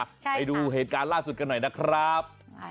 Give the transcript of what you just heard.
ไปดูเหตุการณ์ล่าสุดกันหน่อยนะครับ